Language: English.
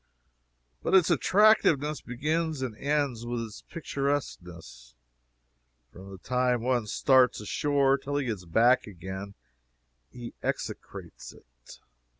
But its attractiveness begins and ends with its picturesqueness. From the time one starts ashore till he gets back again, he execrates it.